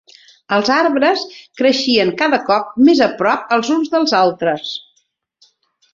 Els arbres creixien cada cop més a prop els uns dels altres.